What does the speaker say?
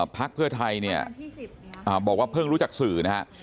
พักเพื่อไทยเนี่ยบอกว่าเพิ่งรู้จักสื่อนะฮะ